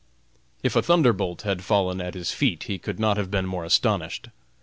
] If a thunderbolt had fallen at his feet he could not have been more astonished.